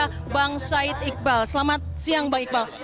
saya bang said iqbal selamat siang bang iqbal